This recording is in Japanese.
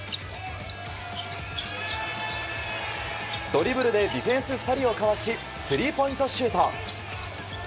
ドリブルでディフェンス２人をかわしスリーポイントシュート。